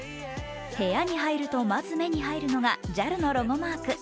部屋に入るとまず目に入るのがＪＡＬのロゴマーク。